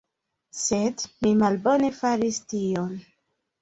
Sed mi malbone faris tion.